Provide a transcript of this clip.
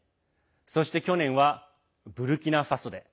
そして去年は、ブルキナファソで。